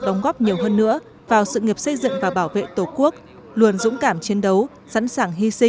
đóng góp nhiều hơn nữa vào sự nghiệp xây dựng và bảo vệ tổ quốc luôn dũng cảm chiến đấu sẵn sàng hy sinh